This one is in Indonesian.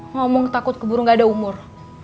ngomong takut keburu gak ada umur